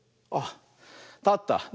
あったった。